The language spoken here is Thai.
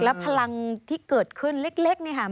แล้วพลังที่เกิดขึ้นเล็กนี่ค่ะ